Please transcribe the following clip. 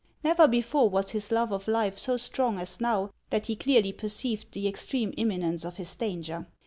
Never before was his love of life so strong as now that he clearly perceived the extreme imminence of his danger.